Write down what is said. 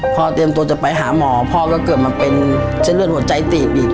เตรียมตัวจะไปหาหมอพ่อก็เกิดมาเป็นเส้นเลือดหัวใจตีบอีก